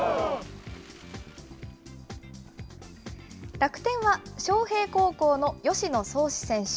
楽天は昌平高校の吉野創士選手。